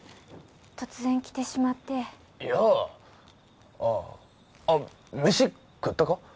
突然来てしまっていやあッ飯食ったか？